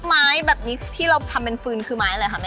ไม้แบบนี้ที่เราทำเป็นฟืนคือไม้อะไรคะแม่